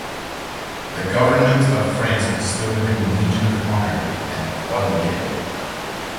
The Government of France bestowed him Legion of Honour and Croix de Guerre.